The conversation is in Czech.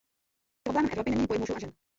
Problémem Evropy není boj mužů a žen.